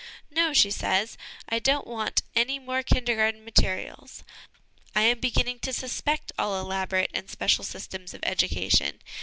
" No," she says, " I don't want any more Kindergarten materials. ... I am beginning to suspect all elaborate and special systems of education.